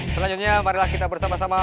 selanjutnya marilah kita bersama sama